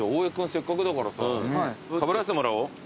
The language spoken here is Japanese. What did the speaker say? せっかくだからさかぶらせてもらおう。